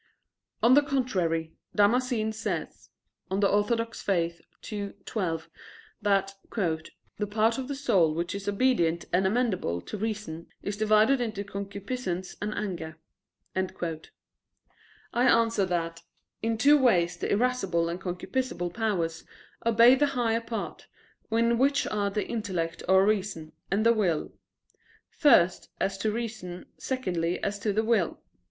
On the contrary, Damascene says (De Fide Orth. ii, 12) that "the part of the soul which is obedient and amenable to reason is divided into concupiscence and anger." I answer that, In two ways the irascible and concupiscible powers obey the higher part, in which are the intellect or reason, and the will; first, as to reason, secondly as to the will.